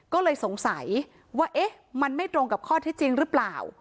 ก็เลยสงสัยว่าเอ๊ะมันไม่ตรงกับข้อที่จริงหรือเปล่า